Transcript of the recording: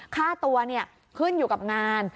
ค่าตัวขึ้นอยู่กับงาน